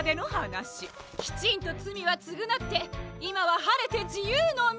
きちんとつみはつぐなっていまははれてじゆうのみ！